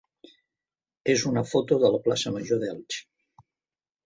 és una foto de la plaça major d'Elx.